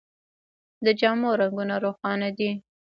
د جامو رنګونه روښانه دي.